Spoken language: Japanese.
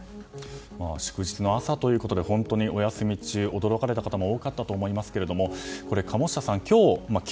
祝日の朝ということで本当にお休み中、驚かれた方も多かったと思いますが鴨下さん